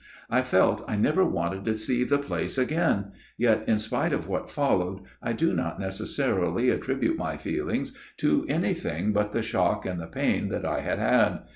I felt I never wanted to see the place again yet in spite of what followed I do not necessarily attribute my feelings to anything but the shock and the pain that I had had.